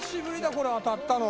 これ当たったの。